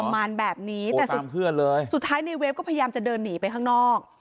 มารแบบนี้แต่เพื่อนเลยสุดท้ายในเฟฟก็พยายามจะเดินหนีไปข้างนอก